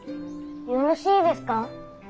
よろしいですか。